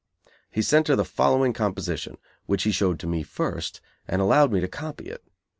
He sent her the following composition, which he showed to me first, and allowed me to copy it.